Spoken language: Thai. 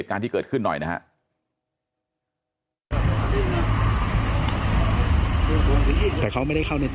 เข้าในตึกนะครับ